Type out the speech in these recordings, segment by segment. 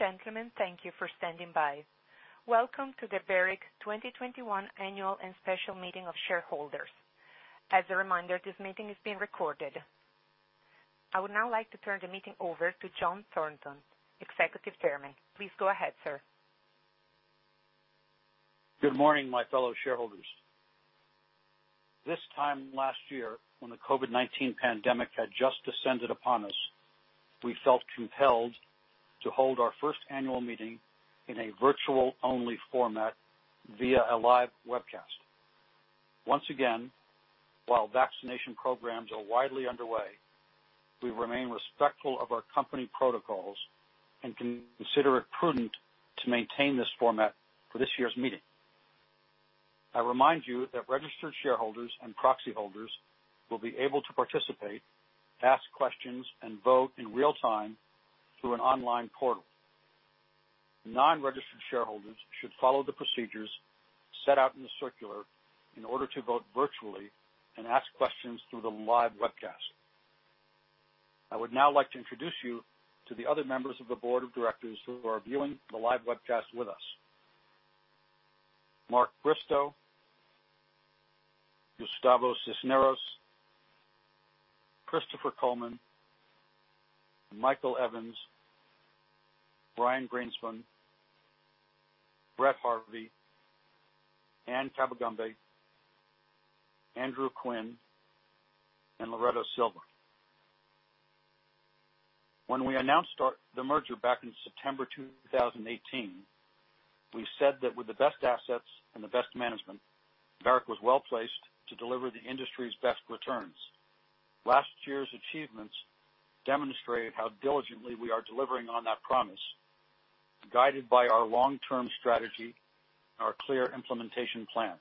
Ladies and gentlemen, thank you for standing by. Welcome to the Barrick 2021 annual and special meeting of shareholders. As a reminder, this meeting is being recorded. I would now like to turn the meeting over to John Thornton, Executive Chairman. Please go ahead, sir. Good morning, my fellow shareholders. This time last year, when the COVID-19 pandemic had just descended upon us, we felt compelled to hold our first annual meeting in a virtual-only format via a live webcast. Once again, while vaccination programs are widely underway, we remain respectful of our company protocols and consider it prudent to maintain this format for this year's meeting. I remind you that registered shareholders and proxy holders will be able to participate, ask questions, and vote in real time through an online portal. Non-registered shareholders should follow the procedures set out in the circular in order to vote virtually and ask questions through the live webcast. I would now like to introduce you to the other members of the Board of Directors who are viewing the live webcast with us. Mark Bristow, Gustavo Cisneros, Christopher Coleman, Michael Evans, Brian Greenspun, Brett Harvey, Anne Kabagambe, Andrew Quinn, and Loreto Silva. When we announced the merger back in September 2018, we said that with the best assets and the best management, Barrick was well-placed to deliver the industry's best returns. Last year's achievements demonstrate how diligently we are delivering on that promise, guided by our long-term strategy and our clear implementation plans.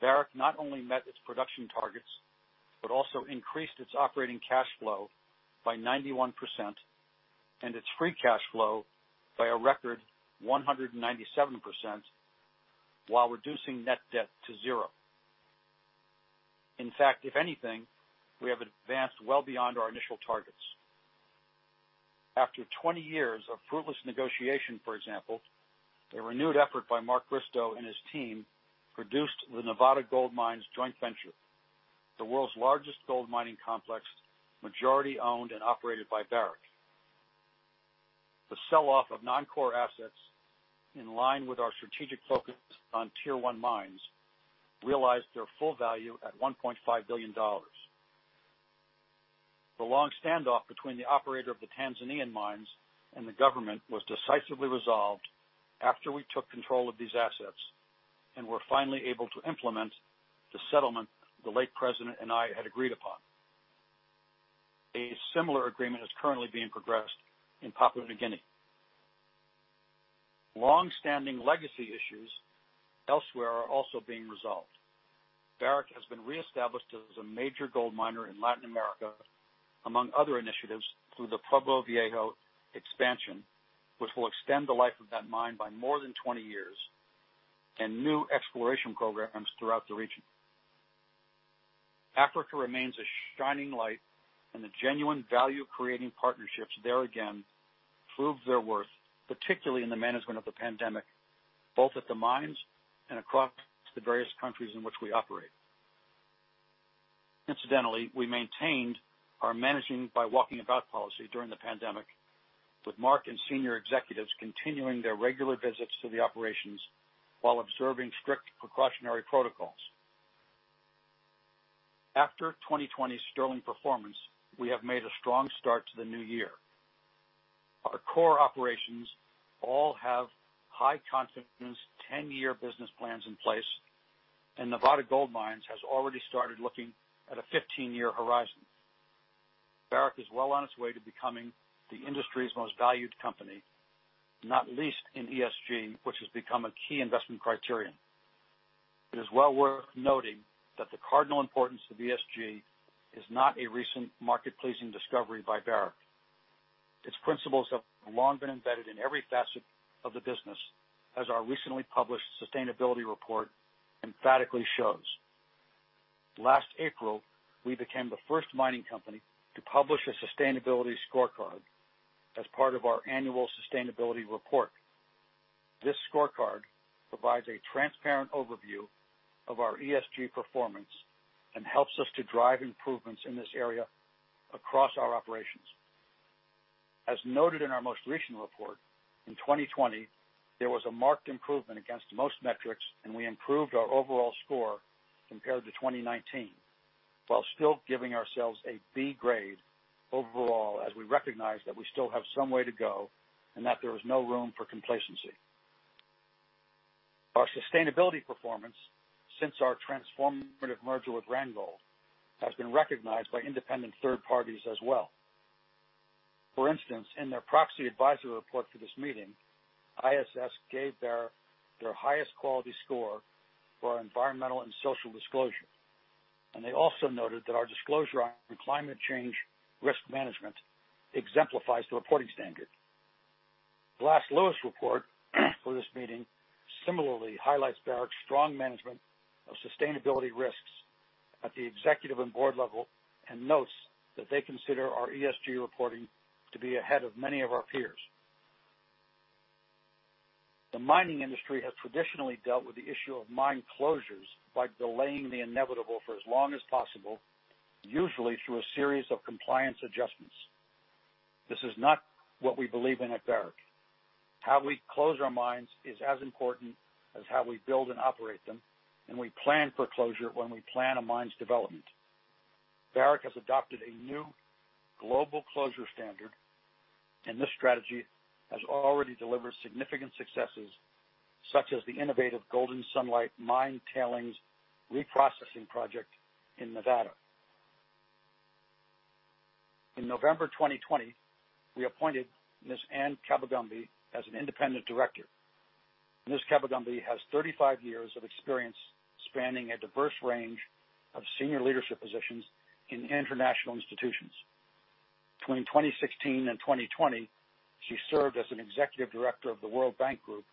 Barrick not only met its production targets, but also increased its operating cash flow by 91% and its free cash flow by a record 197%, while reducing net debt to zero. In fact, if anything, we have advanced well beyond our initial targets. After 20 years of fruitless negotiation, for example, a renewed effort by Mark Bristow and his team produced the Nevada Gold Mines joint venture, the world's largest gold mining complex, majority owned and operated by Barrick. The sell-off of non-core assets, in line with our strategic focus on Tier One mines, realized their full value at $1.5 billion. The long standoff between the operator of the Tanzanian mines and the government was decisively resolved after we took control of these assets and were finally able to implement the settlement the late president and I had agreed upon. A similar agreement is currently being progressed in Papua New Guinea. Long-standing legacy issues elsewhere are also being resolved. Barrick has been reestablished as a major gold miner in Latin America, among other initiatives, through the Pueblo Viejo expansion, which will extend the life of that mine by more than 20 years, and new exploration programs throughout the region. Africa remains a shining light, and the genuine value-creating partnerships there again prove their worth, particularly in the management of the pandemic, both at the mines and across the various countries in which we operate. Incidentally, we maintained our managing by walking about policy during the pandemic, with Mark and senior executives continuing their regular visits to the operations while observing strict precautionary protocols. After 2020's sterling performance, we have made a strong start to the new year. Our core operations all have high confidence, 10-year business plans in place, and Nevada Gold Mines has already started looking at a 15-year horizon. Barrick is well on its way to becoming the industry's most valued company, not least in ESG, which has become a key investment criterion. It is well worth noting that the cardinal importance of ESG is not a recent market-pleasing discovery by Barrick. Its principles have long been embedded in every facet of the business, as our recently published sustainability report emphatically shows. Last April, we became the first mining company to publish a sustainability scorecard as part of our annual sustainability report. This scorecard provides a transparent overview of our ESG performance and helps us to drive improvements in this area across our operations. As noted in our most recent report, in 2020, there was a marked improvement against most metrics, and we improved our overall score compared to 2019, while still giving ourselves a B grade overall as we recognize that we still have some way to go and that there is no room for complacency. Our sustainability performance since our transformative merger with Randgold has been recognized by independent third parties as well. For instance, in their proxy advisory report for this meeting, ISS gave Barrick their highest quality score for environmental and social disclosure, and they also noted that our disclosure on climate change risk management exemplifies the reporting standard. The Glass Lewis report for this meeting similarly highlights Barrick's strong management of sustainability risks at the executive and board level, and notes that they consider our ESG reporting to be ahead of many of our peers. The mining industry has traditionally dealt with the issue of mine closures by delaying the inevitable for as long as possible, usually through a series of compliance adjustments. This is not what we believe in at Barrick. How we close our mines is as important as how we build and operate them, and we plan for closure when we plan a mine's development. Barrick has adopted a new global closure standard, and this strategy has already delivered significant successes such as the innovative Golden Sunlight mine tailings reprocessing project in Nevada. In November 2020, we appointed Ms. Anne Kabagambe as an Independent Director. Ms. Kabagambe has 35 years of experience spanning a diverse range of senior leadership positions in international institutions. Between 2016 and 2020, she served as an Executive Director of the World Bank Group,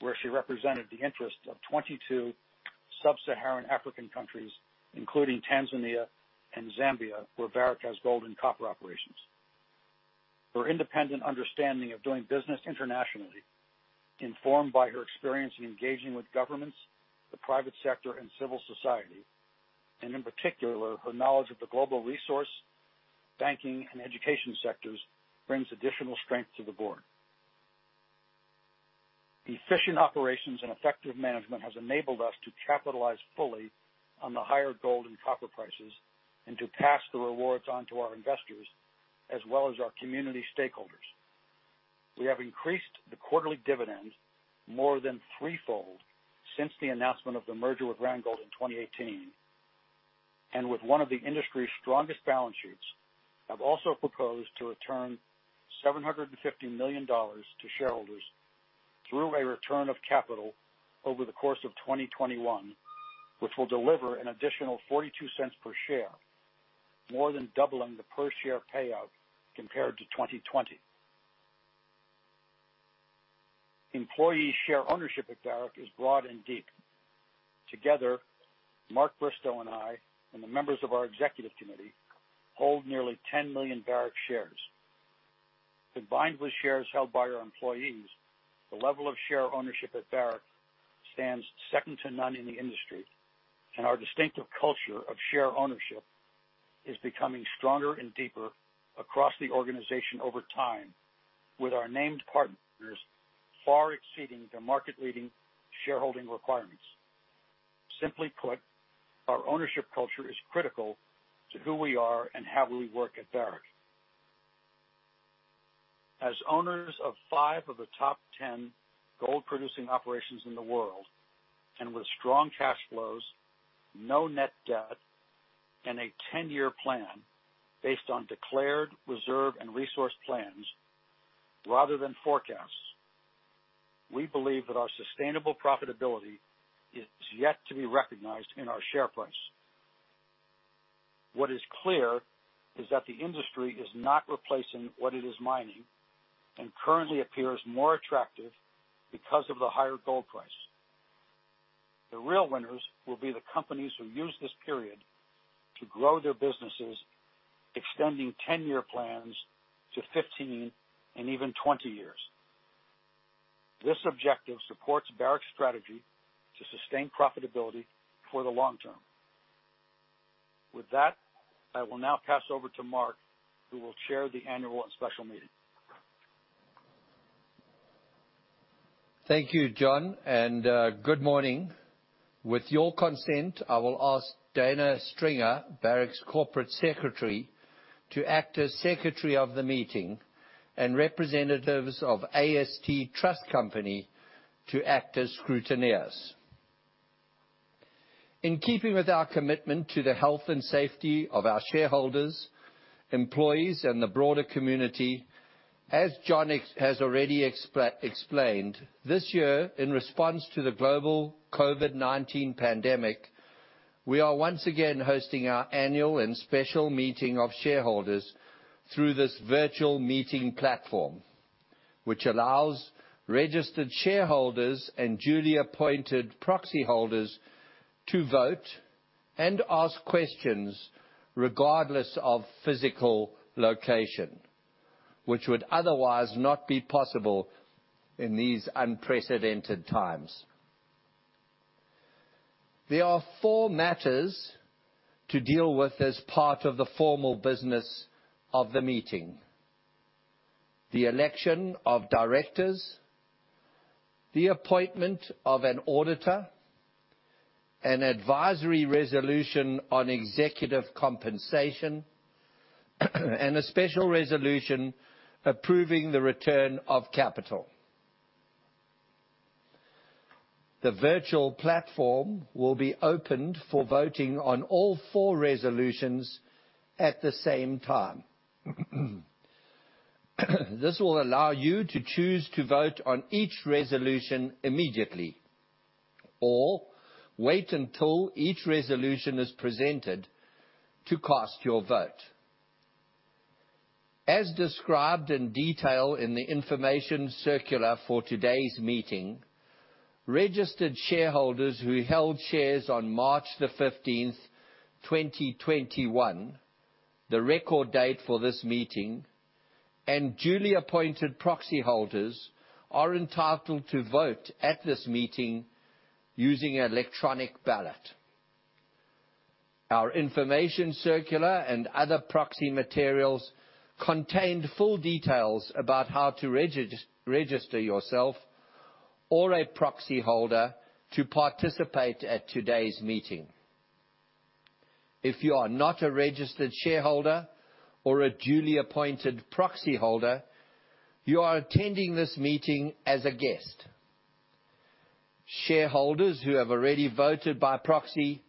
where she represented the interests of 22 sub-Saharan African countries, including Tanzania and Zambia, where Barrick has gold and copper operations. Her independent understanding of doing business internationally, informed by her experience in engaging with governments, the private sector, and civil society, and in particular, her knowledge of the global resource, banking, and education sectors, brings additional strength to the board. Efficient operations and effective management has enabled us to capitalize fully on the higher gold and copper prices, and to pass the rewards onto our investors as well as our community stakeholders. We have increased the quarterly dividend more than threefold since the announcement of the merger with Randgold in 2018. With one of the industry's strongest balance sheets, have also proposed to return $750 million to shareholders through a return of capital over the course of 2021, which will deliver an additional $0.42 per share, more than doubling the per share payout compared to 2020. Employee share ownership at Barrick is broad and deep. Together, Mark Bristow and I, and the members of our executive committee, hold nearly 10 million Barrick shares. Combined with shares held by our employees, the level of share ownership at Barrick stands second to none in the industry, and our distinctive culture of share ownership is becoming stronger and deeper across the organization over time, with our named partners far exceeding the market leading shareholding requirements. Simply put, our ownership culture is critical to who we are and how we work at Barrick. As owners of five of the top 10 gold-producing operations in the world, and with strong cash flows, no net debt, and a 10-year plan based on declared reserve and resource plans rather than forecasts, we believe that our sustainable profitability is yet to be recognized in our share price. What is clear is that the industry is not replacing what it is mining and currently appears more attractive because of the higher gold price. The real winners will be the companies who use this period to grow their businesses, extending 10-year plans to 15 and even 20 years. This objective supports Barrick's strategy to sustain profitability for the long term. With that, I will now pass over to Mark, who will chair the annual and special meeting. Thank you, John, and good morning. With your consent, I will ask Dana Stringer, Barrick's Corporate Secretary, to act as secretary of the meeting and representatives of AST Trust Company to act as scrutineers. In keeping with our commitment to the health and safety of our shareholders, employees, and the broader community, as John has already explained, this year, in response to the global COVID-19 pandemic, we are once again hosting our annual and special meeting of shareholders through this virtual meeting platform. Which allows registered shareholders and duly appointed proxy holders to vote and ask questions regardless of physical location, which would otherwise not be possible in these unprecedented times. There are four matters to deal with as part of the formal business of the meeting. The election of directors, the appointment of an auditor, an advisory resolution on executive compensation, and a special resolution approving the return of capital. The virtual platform will be opened for voting on all four resolutions at the same time. This will allow you to choose to vote on each resolution immediately, or wait until each resolution is presented to cast your vote. As described in detail in the information circular for today's meeting, registered shareholders who held shares on March the 15th, 2021, the record date for this meeting, and duly appointed proxy holders, are entitled to vote at this meeting using electronic ballot. Our information circular and other proxy materials contained full details about how to register yourself or a proxy holder to participate at today's meeting. If you are not a registered shareholder or a duly appointed proxy holder, you are attending this meeting as a guest. Shareholders who have already voted by proxy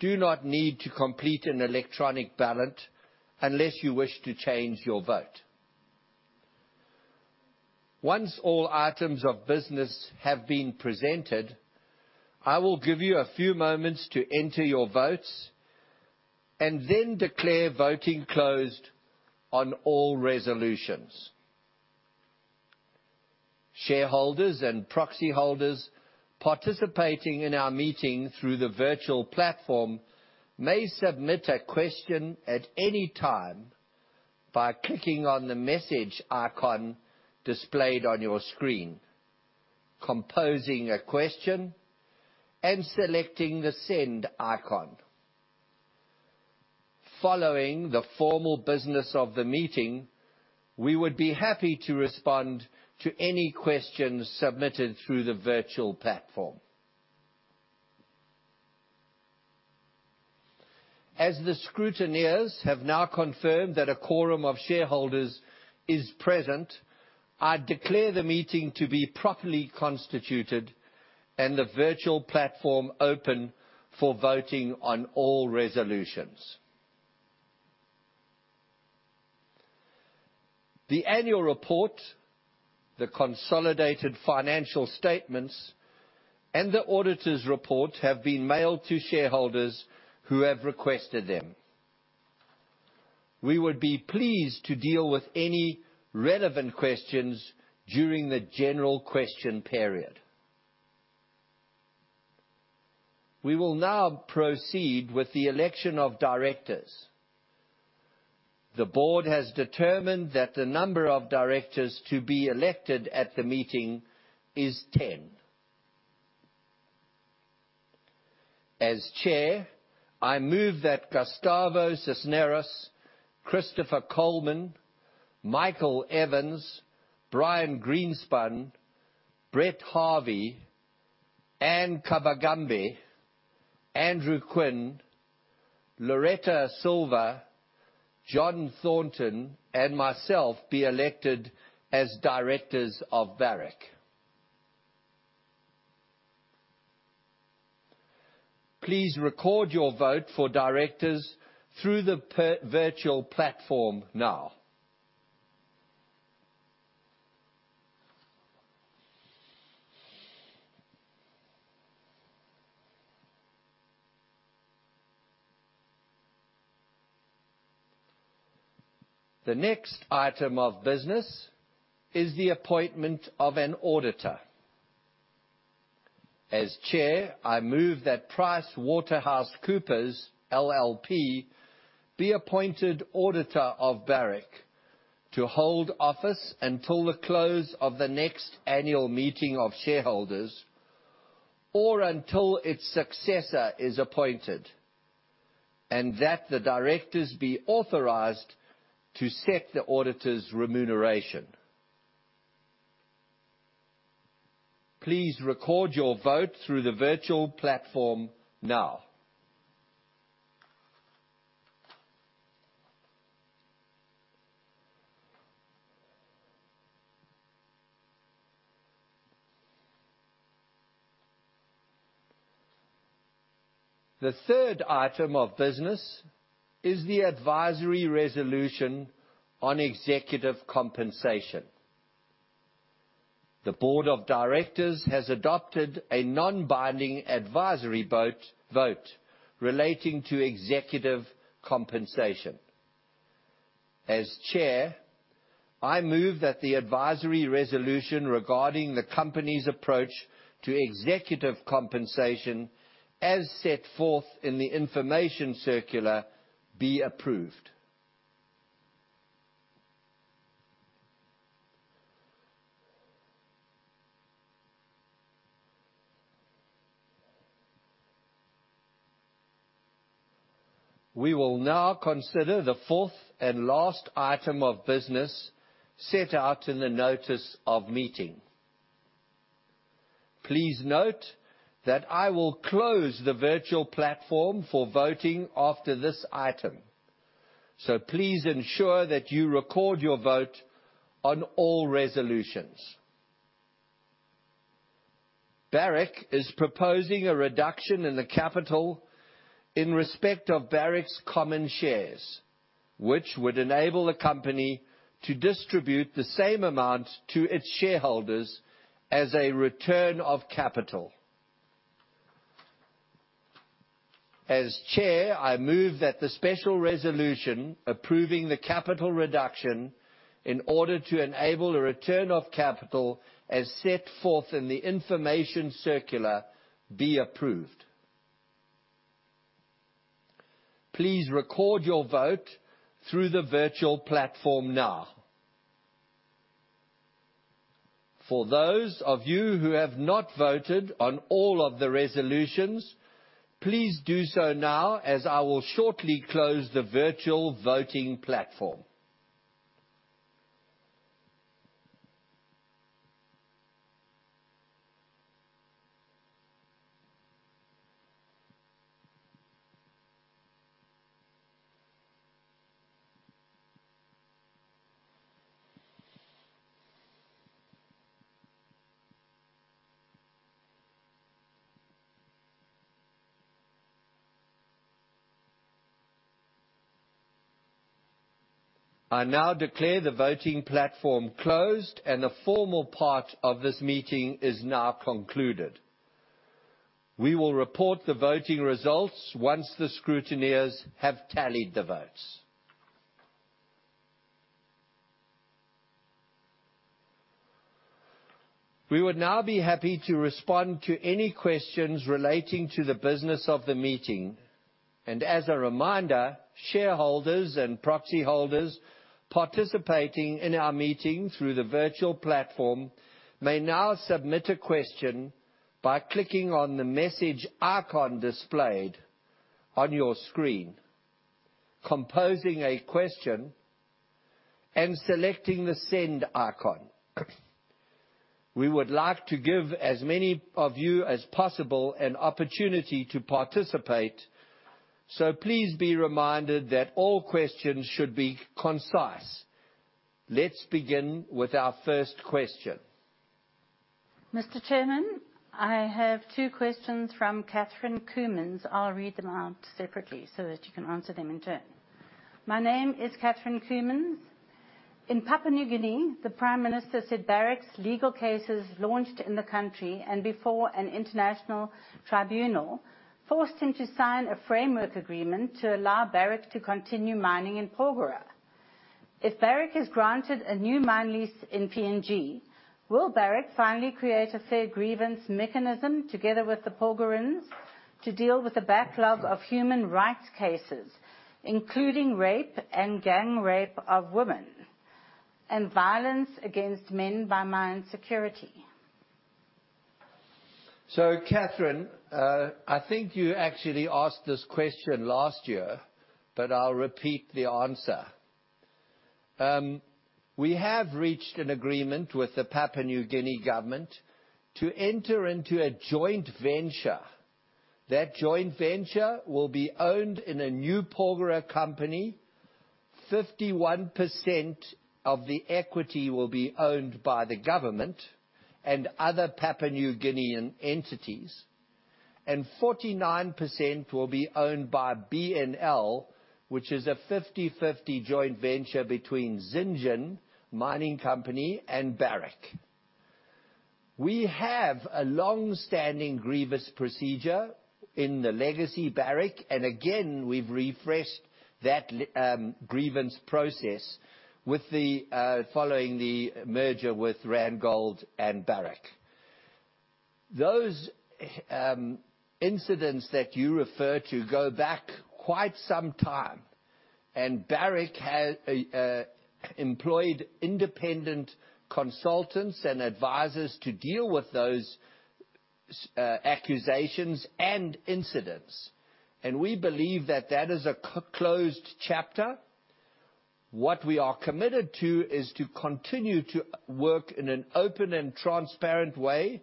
do not need to complete an electronic ballot unless you wish to change your vote. Once all items of business have been presented, I will give you a few moments to enter your votes and then declare voting closed on all resolutions. Shareholders and proxy holders participating in our meeting through the virtual platform may submit a question at any time by clicking on the message icon displayed on your screen, composing a question, and selecting the send icon. Following the formal business of the meeting, we would be happy to respond to any questions submitted through the virtual platform. As the scrutineers have now confirmed that a quorum of shareholders is present, I declare the meeting to be properly constituted and the virtual platform open for voting on all resolutions. The annual report, the consolidated financial statements, and the auditor's report have been mailed to shareholders who have requested them. We would be pleased to deal with any relevant questions during the general question period. We will now proceed with the election of directors. The board has determined that the number of directors to be elected at the meeting is 10. As Chair, I move that Gustavo Cisneros, Christopher Coleman, Michael Evans, Brian Greenspun, Brett Harvey, Anne Kabagambe, Andrew Quinn, Loreto Silva, John Thornton, and myself be elected as directors of Barrick. Please record your vote for directors through the virtual platform now. The next item of business is the appointment of an auditor. As Chair, I move that PricewaterhouseCoopers LLP be appointed auditor of Barrick to hold office until the close of the next annual meeting of shareholders or until its successor is appointed, and that the directors be authorized to set the auditor's remuneration. Please record your vote through the virtual platform now. The third item of business is the advisory resolution on executive compensation. The Board of Directors has adopted a non-binding advisory vote relating to executive compensation. As Chair, I move that the advisory resolution regarding the company's approach to executive compensation, as set forth in the information circular, be approved. We will now consider the fourth and last item of business set out in the notice of meeting. Please note that I will close the virtual platform for voting after this item, so please ensure that you record your vote on all resolutions. Barrick is proposing a reduction in the capital in respect of Barrick's common shares. Which would enable the company to distribute the same amount to its shareholders as a return of capital. As Chair, I move that the special resolution approving the capital reduction in order to enable a return of capital, as set forth in the information circular, be approved. Please record your vote through the virtual platform now. For those of you who have not voted on all of the resolutions, please do so now as I will shortly close the virtual voting platform. I now declare the voting platform closed and the formal part of this meeting is now concluded. We will report the voting results once the scrutineers have tallied the votes. We would now be happy to respond to any questions relating to the business of the meeting. As a reminder, shareholders and proxy holders participating in our meeting through the virtual platform may now submit a question by clicking on the message icon displayed on your screen, composing a question, and selecting the send icon. We would like to give as many of you as possible an opportunity to participate, so please be reminded that all questions should be concise. Let's begin with our first question. Mr. Chairman, I have two questions from Catherine Coumans. I'll read them out separately so that you can answer them in turn. My name is Catherine Coumans. In Papua New Guinea, the Prime Minister said Barrick's legal cases launched in the country and before an international tribunal, forced him to sign a framework agreement to allow Barrick to continue mining in Porgera. If Barrick is granted a new mine lease in PNG, will Barrick finally create a fair grievance mechanism together with the Porgerans to deal with the backlog of human rights cases, including rape and gang rape of women and violence against men by mine security? Catherine, I think you actually asked this question last year, but I'll repeat the answer. We have reached an agreement with the Papua New Guinea government to enter into a joint venture. That joint venture will be owned in a new Porgera company. 51% of the equity will be owned by the government and other Papua New Guinean entities, and 49% will be owned by BNL, which is a 50/50 joint venture between Zijin Mining Company and Barrick. We have a long-standing grievance procedure in the legacy Barrick, and again, we've refreshed that grievance process following the merger with Randgold and Barrick. Those incidents that you refer to go back quite some time, and Barrick has employed independent consultants and advisors to deal with those accusations and incidents. We believe that that is a closed chapter. What we are committed to is to continue to work in an open and transparent way,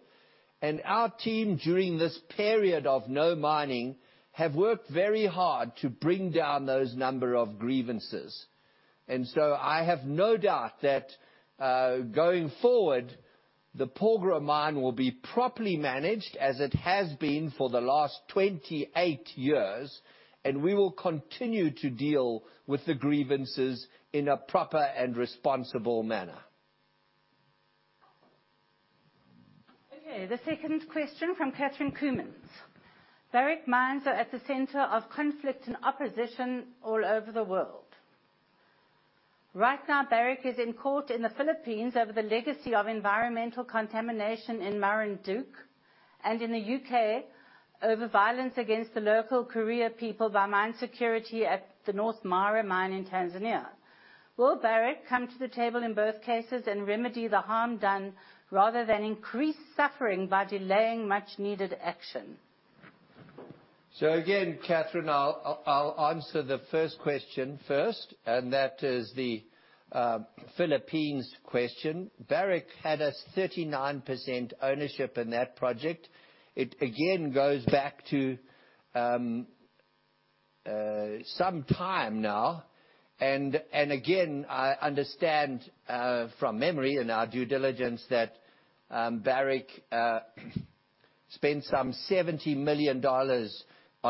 and our team, during this period of no mining, have worked very hard to bring down those number of grievances. I have no doubt that going forward, the Porgera mine will be properly managed, as it has been for the last 28 years, and we will continue to deal with the grievances in a proper and responsible manner. Okay. The second question from Catherine Coumans. Barrick mines are at the center of conflict and opposition all over the world. Right now, Barrick is in court in the Philippines over the legacy of environmental contamination in Marinduque, and in the U.K. over violence against the local Kuria people by mine security at the North Mara mine in Tanzania. Will Barrick come to the table in both cases and remedy the harm done rather than increase suffering by delaying much needed action? Again, Catherine, I'll answer the first question first, and that is the Philippines question. Barrick had a 39% ownership in that project. It, again, goes back to some time now, and again, I understand from memory in our due diligence that Barrick spent some $70 million on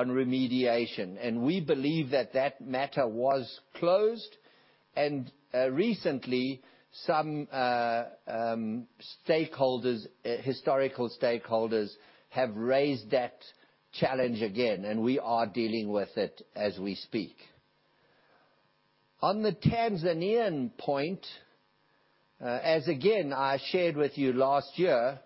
remediation, and we believe that matter was closed. Recently, some historical stakeholders have raised that challenge again, and we are dealing with it as we speak. On the Tanzanian point, as again I shared with you last year,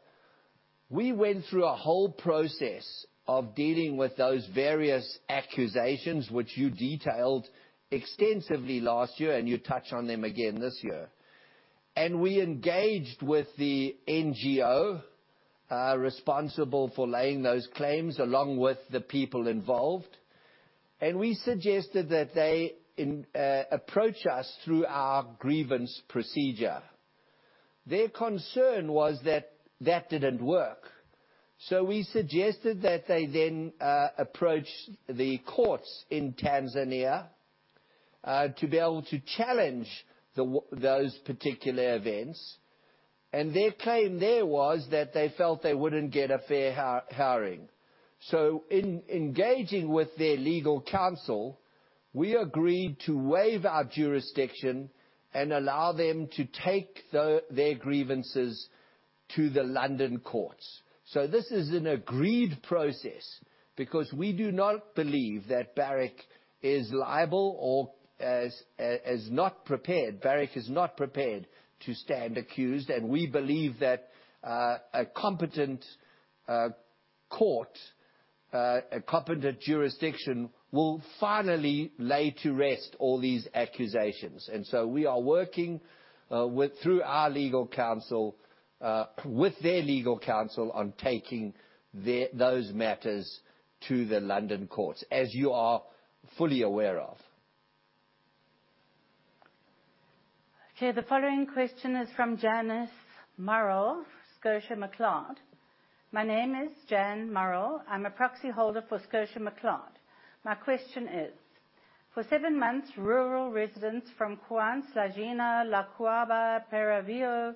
we went through a whole process of dealing with those various accusations which you detailed extensively last year, and you touch on them again this year. We engaged with the NGO responsible for laying those claims, along with the people involved. We suggested that they approach us through our grievance procedure. Their concern was that that didn't work. We suggested that they then approach the courts in Tanzania to be able to challenge those particular events. Their claim there was that they felt they wouldn't get a fair hearing. In engaging with their legal counsel, we agreed to waive our jurisdiction and allow them to take their grievances to the London courts. This is an agreed process because we do not believe that Barrick is liable or is not prepared. Barrick is not prepared to stand accused, and we believe that a competent court, a competent jurisdiction, will finally lay to rest all these accusations. We are working through our legal counsel, with their legal counsel on taking those matters to the London courts, as you are fully aware of. Okay, the following question is from Janice Murrell, ScotiaMcLeod. "My name is Jan Murrell. I'm a proxy holder for ScotiaMcLeod. My question is, for seven months, rural residents from Cuance, La Gina, La Cuaba, Peralvillo,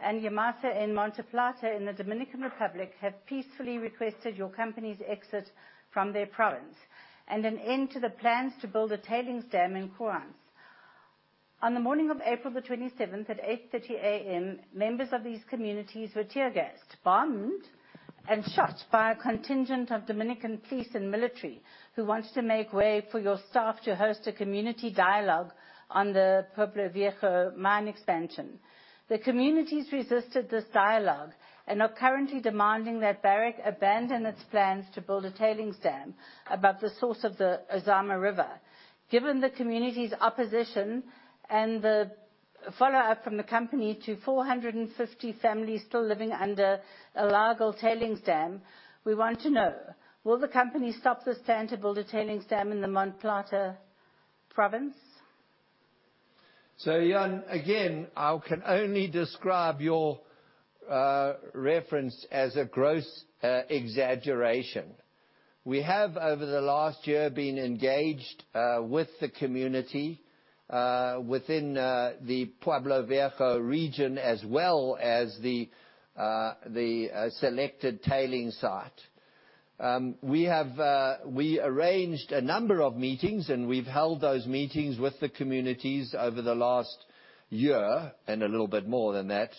and Yamasá in Monte Plata in the Dominican Republic have peacefully requested your company's exit from their province and an end to the plans to build a tailings dam in Cuance. On the morning of April the 27th at 8:30 A.M., members of these communities were tear-gassed, bombed, and shot by a contingent of Dominican police and military who wanted to make way for your staff to host a community dialogue on the Pueblo Viejo mine expansion. The communities resisted this dialogue and are currently demanding that Barrick abandon its plans to build a tailings dam above the source of the Ozama River. Given the community's opposition and the follow-up from the company to 450 families still living under a legal tailings dam, we want to know, will the company stop this plan to build a tailings dam in the Monte Plata province? Jan, again, I can only describe your reference as a gross exaggeration. We have, over the last year, been engaged with the community within the Pueblo Viejo region as well as the selected tailings site. We arranged a number of meetings, and we've held those meetings with the communities over the last year and a little bit more than that.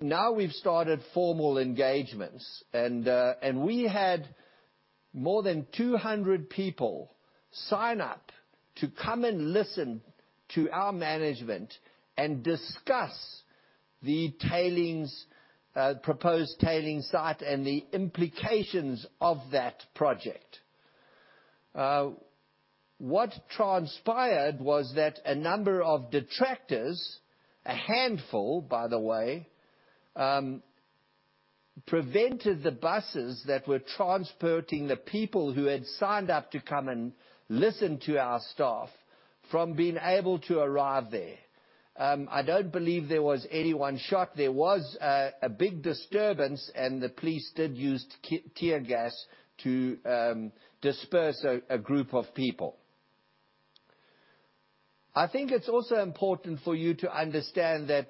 Now we've started formal engagements. We had more than 200 people sign up to come and listen to our management and discuss the proposed tailings site and the implications of that project. What transpired was that a number of detractors, a handful by the way, prevented the buses that were transporting the people who had signed up to come and listen to our staff from being able to arrive there. I don't believe there was anyone shot. There was a big disturbance and the police did use tear gas to disperse a group of people. I think it's also important for you to understand that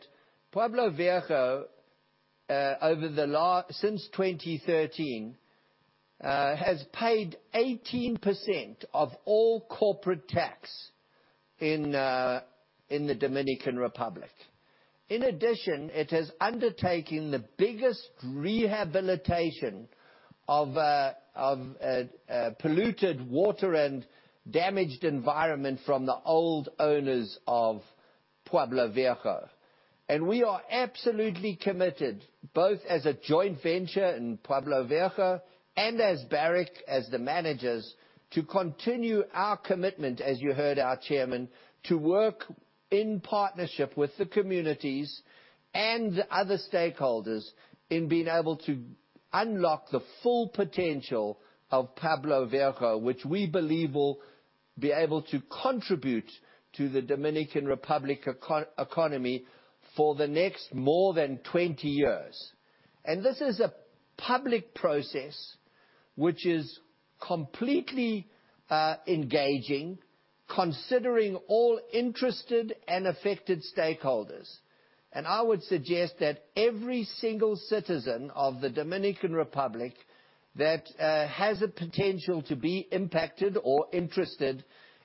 Pueblo Viejo, since 2013, has paid 18% of all corporate tax in the Dominican Republic. In addition, it has undertaken the biggest rehabilitation of polluted water and damaged environment from the old owners of Pueblo Viejo. We are absolutely committed, both as a joint venture in Pueblo Viejo and as Barrick, as the managers, to continue our commitment, as you heard our Chairman, to work in partnership with the communities and other stakeholders in being able to unlock the full potential of Pueblo Viejo, which we believe will be able to contribute to the Dominican Republic economy for the next more than 20 years. This is a public process which is completely engaging, considering all interested and affected stakeholders. I would suggest that every single citizen of the Dominican Republic that has a potential to be impacted or interested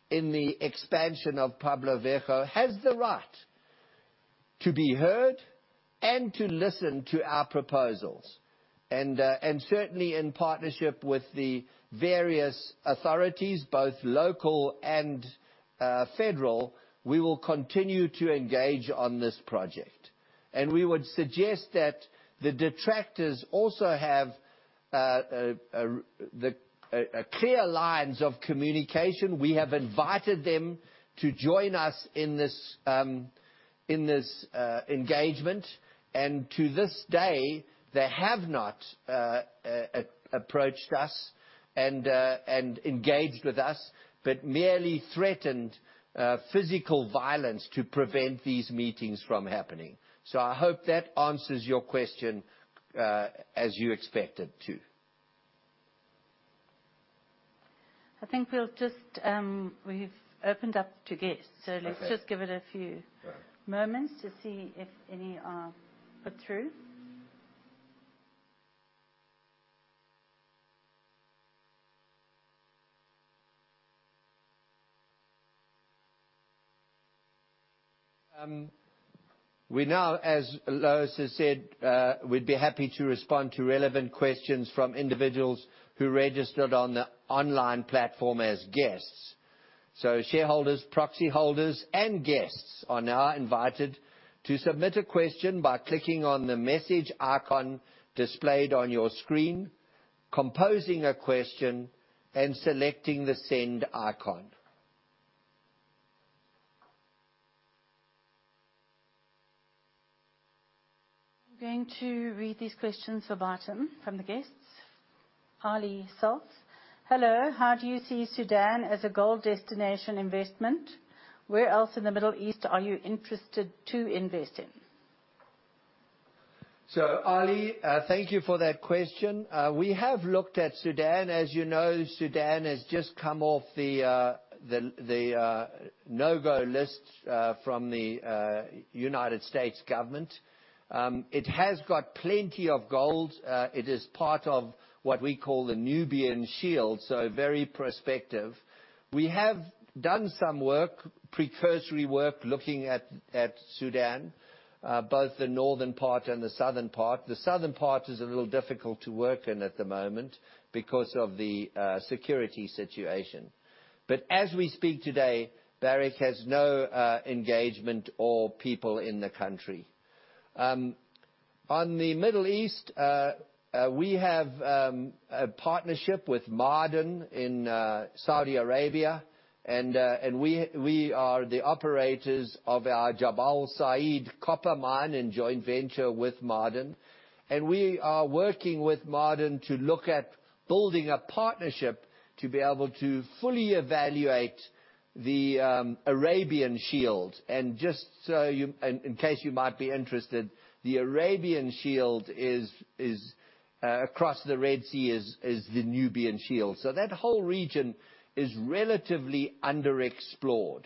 in the expansion of Pueblo Viejo has the right to be heard and to listen to our proposals. Certainly in partnership with the various authorities, both local and federal, we will continue to engage on this project. We would suggest that the detractors also have clear lines of communication. We have invited them to join us in this engagement, and to this day, they have not approached us and engaged with us, but merely threatened physical violence to prevent these meetings from happening. I hope that answers your question as you expect it to. I think we've opened up to guests. Okay. Let's just give it a few moments to see if any are put through. We now, as Lois has said, we'd be happy to respond to relevant questions from individuals who registered on the online platform as guests. Shareholders, proxy holders, and guests are now invited to submit a question by clicking on the message icon displayed on your screen, composing a question, and selecting the send icon. I'm going to read these questions from the bottom from the guests. Ali Salt. "Hello. How do you see Sudan as a gold destination investment? Where else in the Middle East are you interested to invest in? Ali, thank you for that question. We have looked at Sudan. As you know, Sudan has just come off the no-go list from the United States government. It has got plenty of gold. It is part of what we call the Nubian Shield, so very prospective. We have done some work, precursory work, looking at Sudan, both the northern part and the southern part. The southern part is a little difficult to work in at the moment because of the security situation. As we speak today, Barrick has no engagement or people in the country. On the Middle East, we have a partnership with Ma'aden in Saudi Arabia, and we are the operators of our Jabal Sayid copper mine and joint venture with Ma'aden. We are working with Ma'aden to look at building a partnership to be able to fully evaluate the Arabian Shield. Just so you, in case you might be interested, the Arabian Shield is across the Red Sea, is the Nubian Shield. That whole region is relatively underexplored.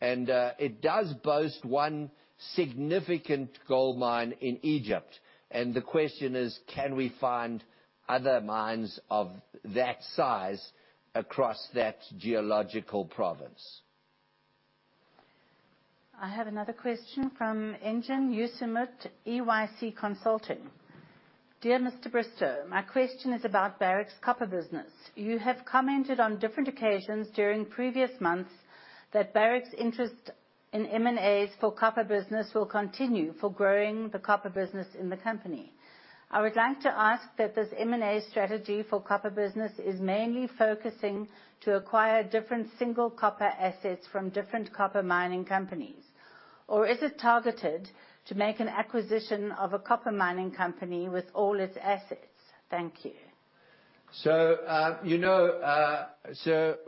It does boast one significant gold mine in Egypt. The question is, can we find other mines of that size across that geological province? I have another question from Engin Yusimit, EYC Consulting. "Dear Mr. Bristow, my question is about Barrick's copper business. You have commented on different occasions during previous months that Barrick's interest in M&As for copper business will continue for growing the copper business in the company. I would like to ask that this M&A strategy for copper business is mainly focusing to acquire different single copper assets from different copper mining companies, or is it targeted to make an acquisition of a copper mining company with all its assets? Thank you.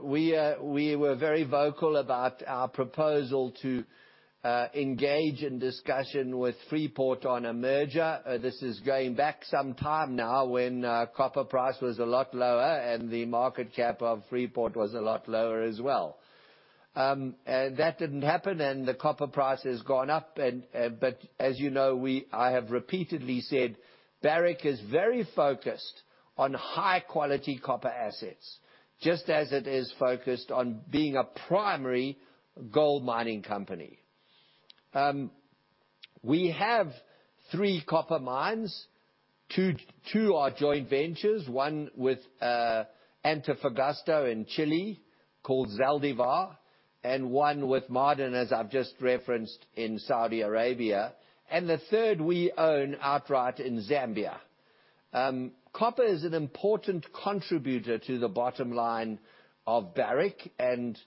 We were very vocal about our proposal to engage in discussion with Freeport on a merger. This is going back some time now when copper price was a lot lower and the market cap of Freeport was a lot lower as well. That didn't happen and the copper price has gone up, but as you know, I have repeatedly said Barrick is very focused on high-quality copper assets, just as it is focused on being a primary gold mining company. We have three copper mines. Two are joint ventures, one with Antofagasta in Chile called Zaldívar, and one with Ma'aden, as I've just referenced, in Saudi Arabia. The third we own outright in Zambia. Copper is an important contributor to the bottom line of Barrick, and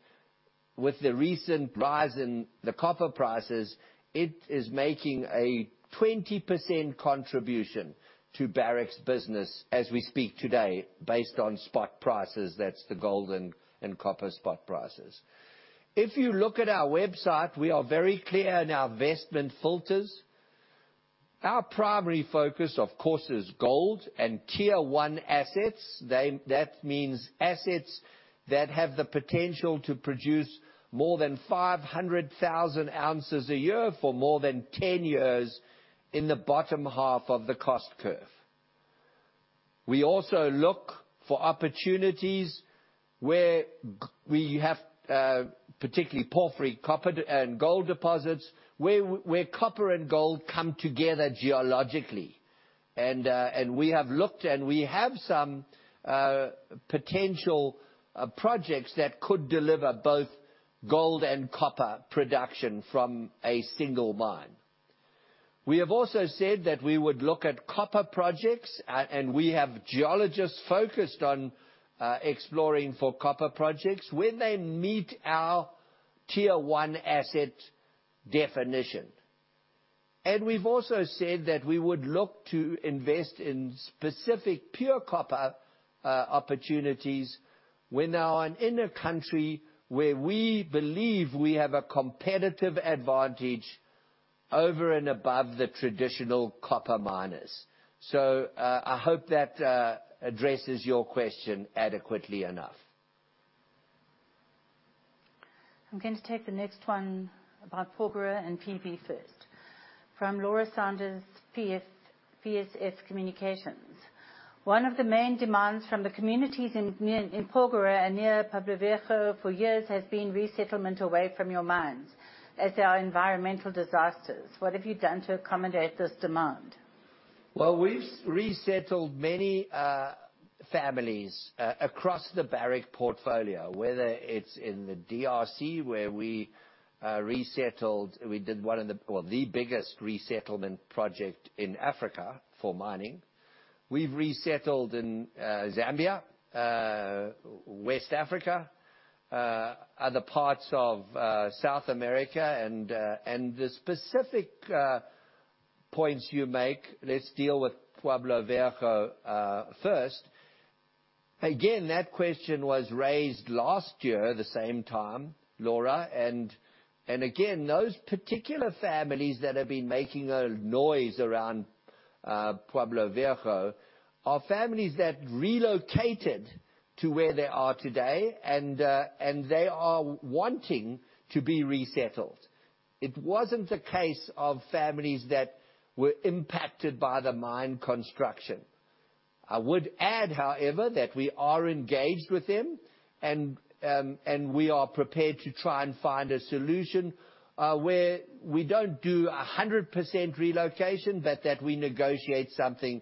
with the recent rise in the copper prices, it is making a 20% contribution to Barrick's business as we speak today based on spot prices. That's the gold and copper spot prices. If you look at our website, we are very clear in our investment filters. Our primary focus, of course, is gold and Tier One assets. That means assets that have the potential to produce more than 500,000 oz a year for more than 10 years in the bottom half of the cost curve. We also look for opportunities where we have particularly porphyry copper and gold deposits, where copper and gold come together geologically. We have looked, and we have some potential projects that could deliver both gold and copper production from a single mine. We have also said that we would look at copper projects, and we have geologists focused on exploring for copper projects where they meet our Tier One asset definition. We've also said that we would look to invest in specific pure copper opportunities where now and in a country where we believe we have a competitive advantage over and above the traditional copper miners. I hope that addresses your question adequately enough. I'm going to take the next one about Porgera and PV first from Laura Sanders, PFS Communications. One of the main demands from the communities in Porgera and near Pueblo Viejo for years has been resettlement away from your mines as there are environmental disasters. What have you done to accommodate this demand? Well, we've resettled many families across the Barrick portfolio, whether it's in the DRC, where we did one of the biggest resettlement project in Africa for mining. We've resettled in Zambia, West Africa, other parts of South America. The specific points you make, let's deal with Pueblo Viejo first. Again, that question was raised last year, the same time, Laura. Again, those particular families that have been making a noise around Pueblo Viejo are families that relocated to where they are today, and they are wanting to be resettled. It wasn't a case of families that were impacted by the mine construction. I would add, however, that we are engaged with them and we are prepared to try and find a solution where we don't do 100% relocation, but that we negotiate something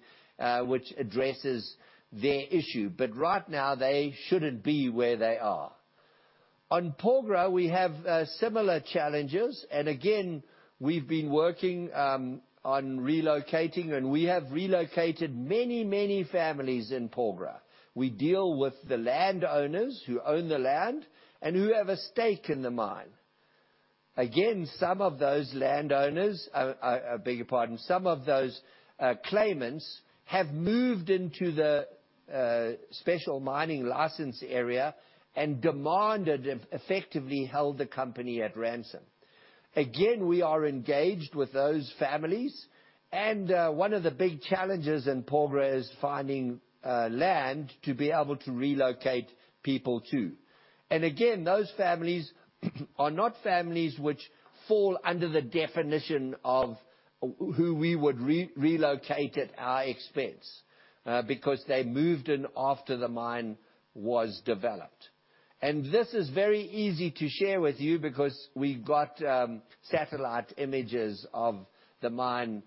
which addresses their issue. Right now, they shouldn't be where they are. On Porgera, we have similar challenges. Again, we've been working on relocating, and we have relocated many, many families in Porgera. We deal with the landowners who own the land and who have a stake in the mine. Again, some of those claimants have moved into the special mining license area and demanded, effectively held the company at ransom. Again, we are engaged with those families, and one of the big challenges in Porgera is finding land to be able to relocate people to. Again, those families are not families which fall under the definition of who we would relocate at our expense because they moved in after the mine was developed. This is very easy to share with you because we've got satellite images of the mine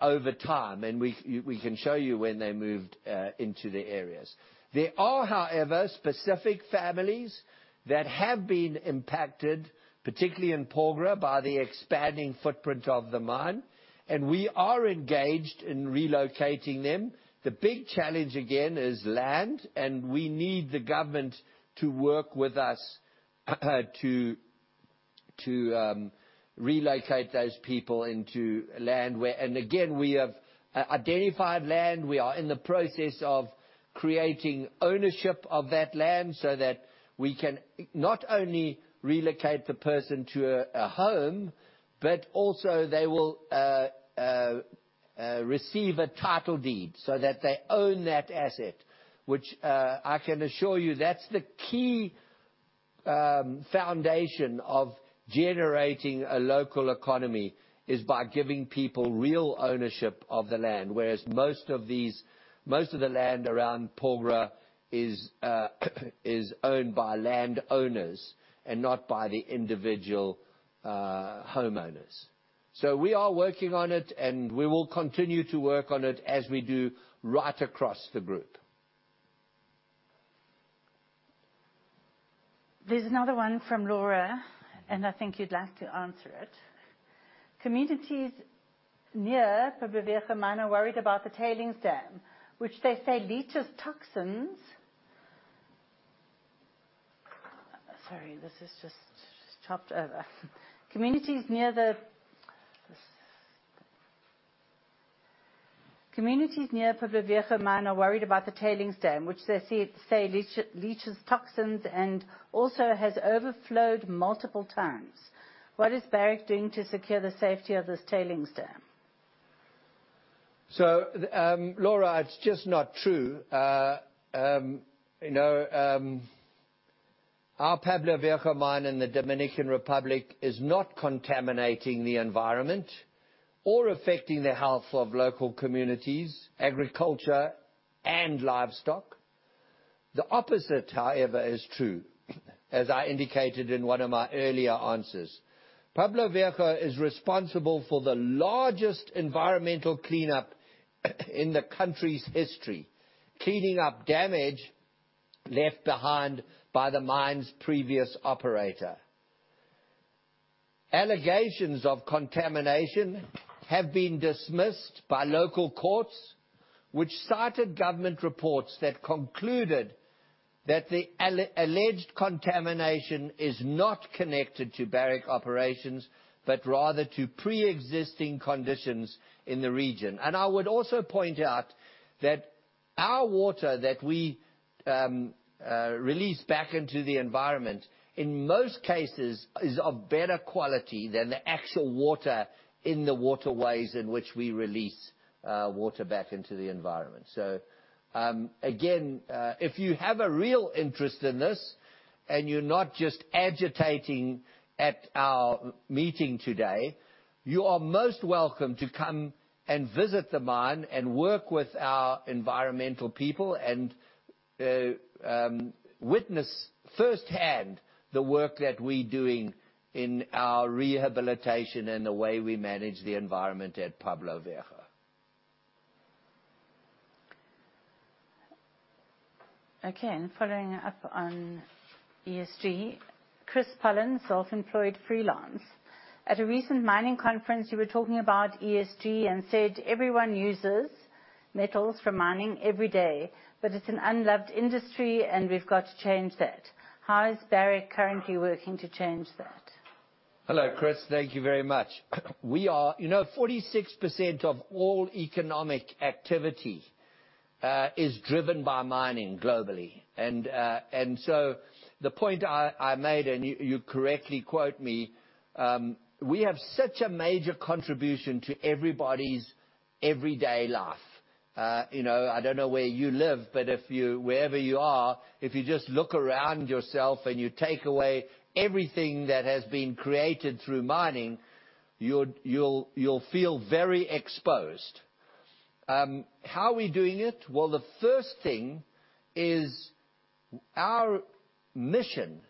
over time, and we can show you when they moved into the areas. There are, however, specific families that have been impacted, particularly in Porgera, by the expanding footprint of the mine, and we are engaged in relocating them. The big challenge again is land, and we need the government to work with us to relocate those people into land. Again, we have identified land. We are in the process of creating ownership of that land so that we can not only relocate the person to a home, but also they will receive a title deed so that they own that asset. Which I can assure you that is the key foundation of generating a local economy, is by giving people real ownership of the land. Whereas most of the land around Porgera is owned by landowners and not by the individual homeowners. We are working on it, and we will continue to work on it as we do right across the group. There's another one from Laura, and I think you'd like to answer it. Communities near Pueblo Viejo mine are worried about the tailings dam, which they say leaches toxins. Sorry, this is just chopped over. Communities near Pueblo Viejo mine are worried about the tailings dam, which they say leaches toxins and also has overflowed multiple times. What is Barrick doing to secure the safety of this tailings dam? Laura, it's just not true. Our Pueblo Viejo mine in the Dominican Republic is not contaminating the environment or affecting the health of local communities, agriculture, and livestock. The opposite, however, is true, as I indicated in one of my earlier answers. Pueblo Viejo is responsible for the largest environmental cleanup in the country's history, cleaning up damage left behind by the mine's previous operator. Allegations of contamination have been dismissed by local courts, which cited government reports that concluded that the alleged contamination is not connected to Barrick operations, but rather to preexisting conditions in the region. I would also point out that our water that we release back into the environment, in most cases, is of better quality than the actual water in the waterways in which we release water back into the environment. Again, if you have a real interest in this, and you're not just agitating at our meeting today, you are most welcome to come and visit the mine and work with our environmental people and witness firsthand the work that we're doing in our rehabilitation and the way we manage the environment at Pueblo Viejo. Following up on ESG, Chris Pollin, self-employed freelance. At a recent mining conference, you were talking about ESG and said everyone uses metals from mining every day, but it's an unloved industry, and we've got to change that. How is Barrick currently working to change that? Hello, Chris. Thank you very much. 46% of all economic activity is driven by mining globally. The point I made, and you correctly quote me, we have such a major contribution to everybody's everyday life. I don't know where you live, but wherever you are, if you just look around yourself and you take away everything that has been created through mining, you'll feel very exposed. How are we doing it? Well, the first thing is our mission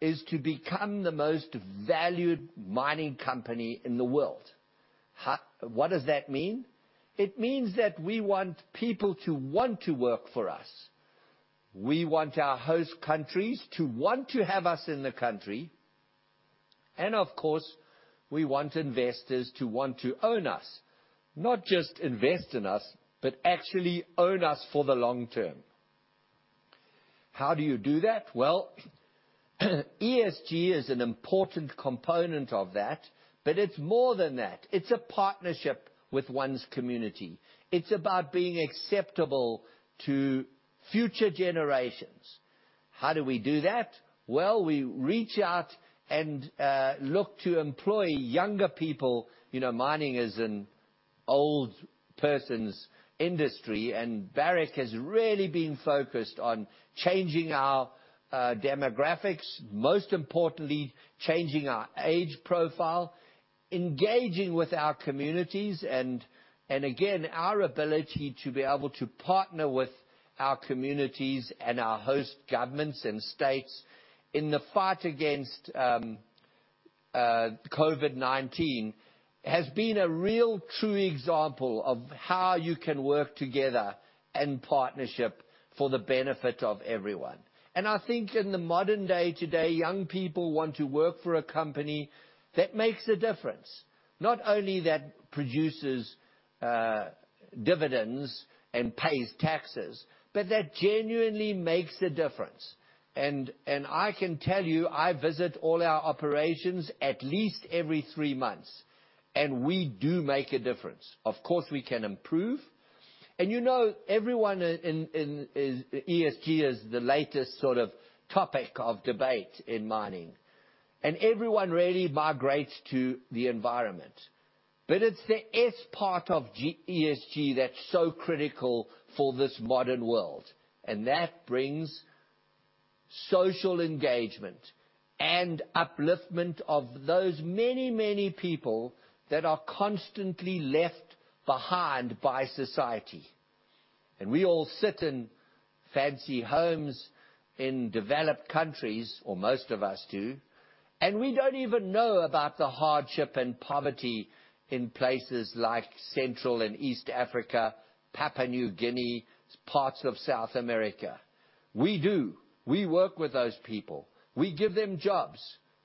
is to become the most valued mining company in the world. What does that mean? It means that we want people to want to work for us. We want our host countries to want to have us in the country. Of course, we want investors to want to own us, not just invest in us, but actually own us for the long term. How do you do that? ESG is an important component of that, but it's more than that. It's a partnership with one's community. It's about being acceptable to future generations. How do we do that? We reach out and look to employ younger people. Mining is an old person's industry, and Barrick has really been focused on changing our demographics, most importantly, changing our age profile, engaging with our communities, and again, our ability to be able to partner with our communities and our host governments and states in the fight against COVID-19 has been a real true example of how you can work together in partnership for the benefit of everyone. I think in the modern day today, young people want to work for a company that makes a difference, not only that produces dividends and pays taxes, but that genuinely makes a difference. I can tell you, I visit all our operations at least every three months, and we do make a difference. Of course, we can improve. Everyone, ESG is the latest sort of topic of debate in mining, and everyone really migrates to the environment. It's the S part of ESG that's so critical for this modern world, and that brings social engagement and upliftment of those many, many people that are constantly left behind by society. We all sit in fancy homes in developed countries, or most of us do, and we don't even know about the hardship and poverty in places like Central and East Africa, Papua New Guinea, parts of South America. We do. We work with those people. We give them jobs.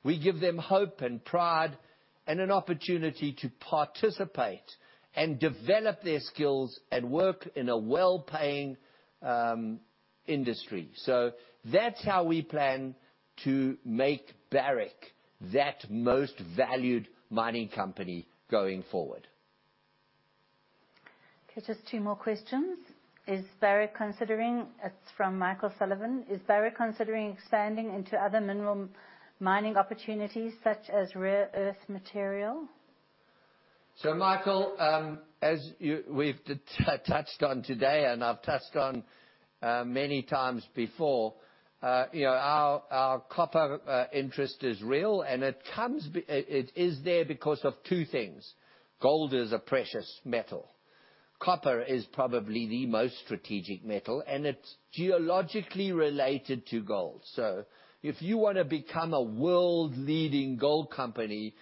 We give them hope and pride and an opportunity to participate and develop their skills and work in a well-paying industry. That's how we plan to make Barrick that most valued mining company going forward. Okay, just two more questions. It's from Michael Sullivan: Is Barrick considering expanding into other mineral mining opportunities, such as rare earth material? Michael, as we've touched on today, and I've touched on many times before, our copper interest is real, and it is there because of two things. Gold is a precious metal. Copper is probably the most strategic metal, and it's geologically related to gold. If you want to become a world-leading gold company,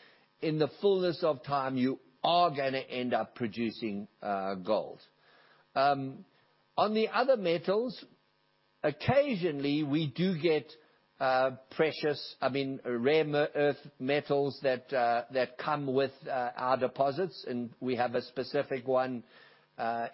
in the fullness of time, you are going to end up producing gold. On the other metals, occasionally we do get precious, I mean, rare earth metals that come with our deposits, and we have a specific one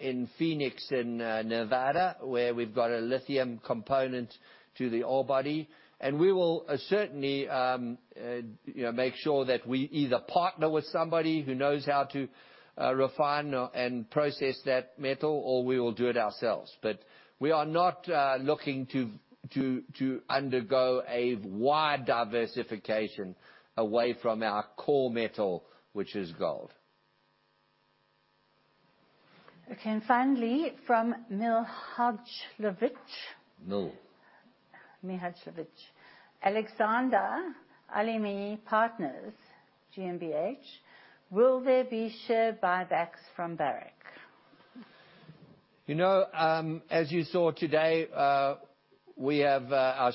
in Phoenix, in Nevada, where we've got a lithium component to the ore body. We will certainly make sure that we either partner with somebody who knows how to refine and process that metal, or we will do it ourselves. We are not looking to undergo a wide diversification away from our core metal, which is gold. Okay. Finally, from Mil Hajlovic. Mil. Mil Hajlovic, Alexander Alimi Partners GmbH: Will there be share buybacks from Barrick? As you saw today, our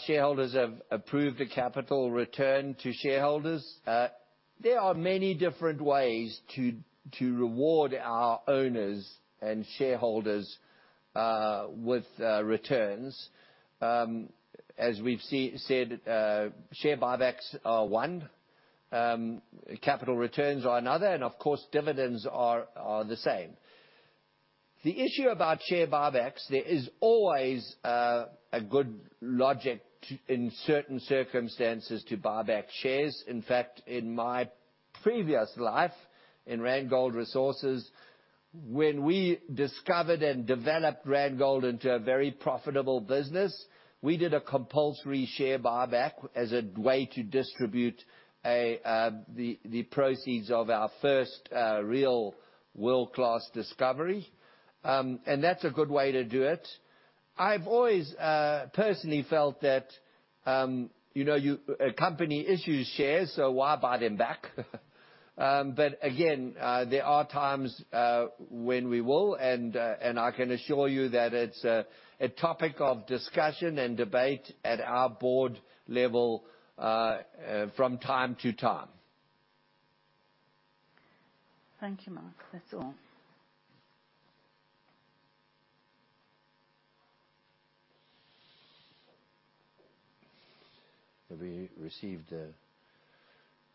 shareholders have approved a capital return to shareholders. There are many different ways to reward our owners and shareholders with returns. As we've said, share buybacks are one, capital returns are another, and of course, dividends are the same. The issue about share buybacks, there is always a good logic in certain circumstances to buy back shares. In fact, in my previous life in Randgold Resources, when we discovered and developed Randgold into a very profitable business, we did a compulsory share buyback as a way to distribute the proceeds of our first real world-class discovery. That's a good way to do it. I've always personally felt that a company issues shares, so why buy them back? Again, there are times when we will, and I can assure you that it's a topic of discussion and debate at our board level from time to time. Thank you, Mark. That's all. Have we received the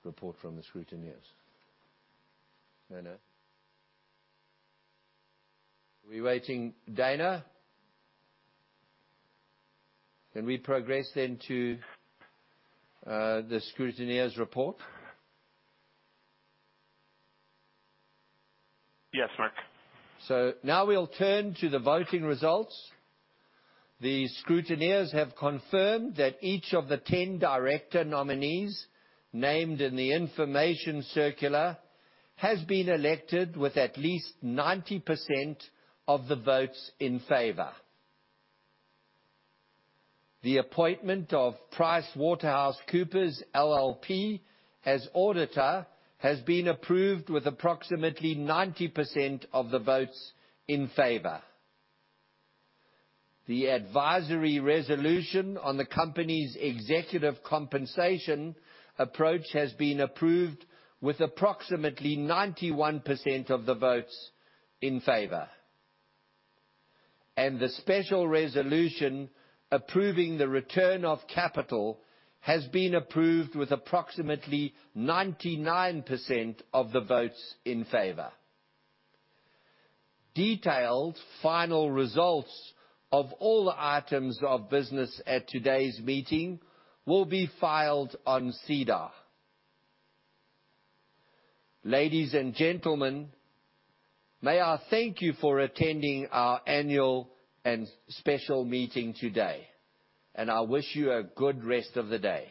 report from the scrutineers? Hello. We're waiting Dana? Can we progress then to the scrutineers report? Yes, Mark. Now we'll turn to the voting results. The scrutineers have confirmed that each of the 10 director nominees named in the information circular has been elected with at least 90% of the votes in favor. The appointment of PricewaterhouseCoopers LLP as auditor has been approved with approximately 90% of the votes in favor. The advisory resolution on the company's executive compensation approach has been approved with approximately 91% of the votes in favor. The special resolution approving the return of capital has been approved with approximately 99% of the votes in favor. Detailed final results of all the items of business at today's meeting will be filed on SEDAR. Ladies and gentlemen, may I thank you for attending our annual and special meeting today, and I wish you a good rest of the day.